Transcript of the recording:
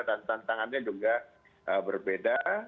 dan tantangannya juga berbeda